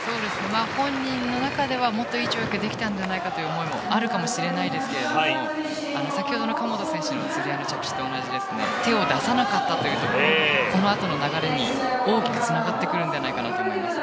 本人の中ではもっといい演技ができたんじゃないかという思いもあるかもしれないですが先ほどの神本選手のつり輪の着地と同じで手を出さなかったというところがこのあとの流れに、大きくつながってくると思います。